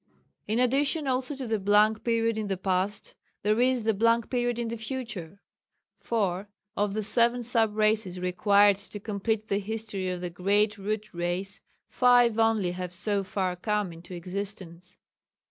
In addition also to the blank period in the past, there is the blank period in the future. For of the seven sub races required to complete the history of a great Root Race, five only have so far come into existence.